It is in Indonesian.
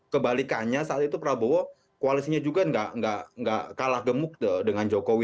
kebalikannya saat itu prabowo koalisinya juga nggak kalah gemuk dengan jokowi